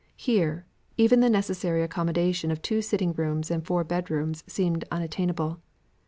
Here, even the necessary accommodation of two sitting rooms and four bed rooms seemed unattainable.